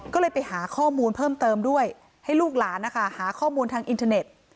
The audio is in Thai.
ก็เลยไปหาข้อมูลเพิ่มเติมด้วยให้ลูกหลานนะคะหาข้อมูลทางอินเทอร์เน็ต